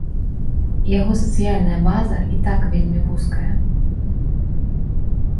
Яго сацыяльная база і так вельмі вузкая.